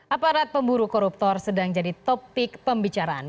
aparat pemburu koruptor sedang jadi topik pembicaraan